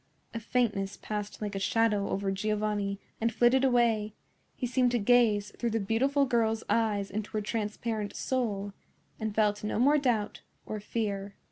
A faintness passed like a shadow over Giovanni and flitted away; he seemed to gaze through the beautiful girl's eyes into her transparent soul, and felt no more doubt or fear.